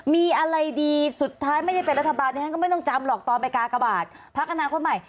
มีอะไรดีสุดท้ายไม่ได้เป็นรัฐบาลที่ฉันก็ไม่ต้องจำหรอกตอนไปกากบาทพักอนาคตใหม่